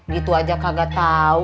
gitu aja kagak tau